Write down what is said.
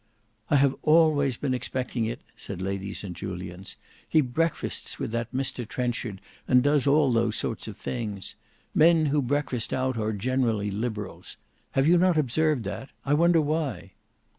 "I have always been expecting it," said Lady St Julians. "He breakfasts with that Mr Trenchard and does all those sorts of things. Men who breakfast out are generally liberals. Have not you observed that? I wonder why?"